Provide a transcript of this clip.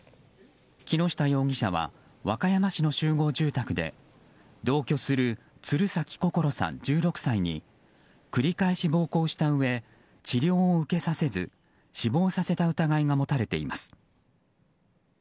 木下容疑者は和歌山市の集合住宅で同居する鶴崎心桜さん、１６歳に繰り返し暴行したうえ治療を受けさせず死亡させた疑いが持たれています。